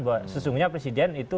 bahwa sesungguhnya presiden itu